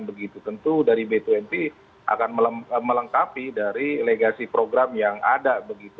begitu tentu dari b dua puluh akan melengkapi dari legasi program yang ada begitu